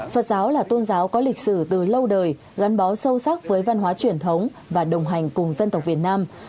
phật giáo là tôn giáo có lịch sử từ lâu đời gắn bó sâu sắc với văn hóa truyền thống và đồng hành cùng dân tộc việt nam